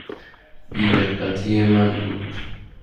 بی دقتی من بود.